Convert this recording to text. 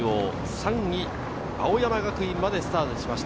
３位・青山学院までスタートしました。